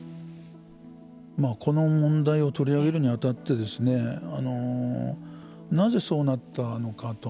この問題を取り上げるに当たってなぜそうなったのかと。